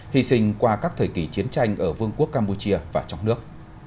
hy sinh qua các thời kỳ chiến tranh ở vương quốc campuchia và trong nước